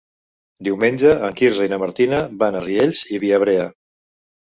Diumenge en Quirze i na Martina van a Riells i Viabrea.